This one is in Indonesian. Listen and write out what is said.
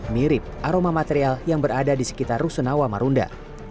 mirip aroma material yang berada di sekitar rusunawa marunda